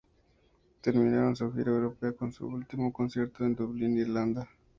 Terminaron su gira europea con su último concierto en Dublín, Irlanda.